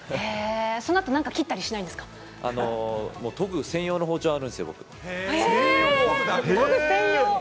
そのあとなんか切ったりしな研ぐ専用の包丁があるんですとぐ専用？